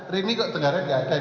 rini kok tenggara nggak ada nih